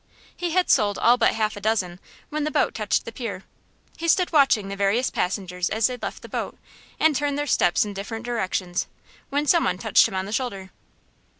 He had sold all but half a dozen when the boat touched the pier. He stood watching the various passengers as they left the boat and turned their steps in different directions, when some one touched him on the shoulder.